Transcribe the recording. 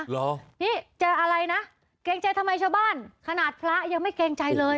เหรอนี่เจออะไรนะเกรงใจทำไมชาวบ้านขนาดพระยังไม่เกรงใจเลย